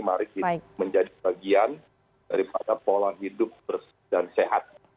mari kita menjadi bagian daripada pola hidup bersih dan sehat